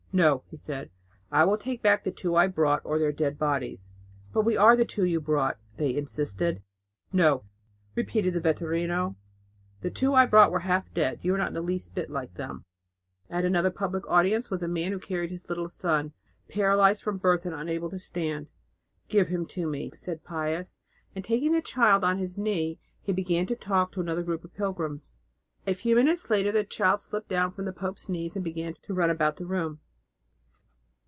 "No," he said, "I will take back the two I brought or their dead bodies." "But we are the two you brought," they insisted. "No," repeated the vetturino, "the two I brought were half dead; you are not in the least like them." At another public audience was a man who carried his little son, paralysed from birth and unable to stand. "Give him to me," said Pius; and taking the child on his knee, he began to talk to another group of pilgrims. A few minutes later the child slipped down from the pope's knee and began to run about the room.